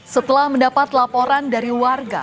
setelah mendapat laporan dari warga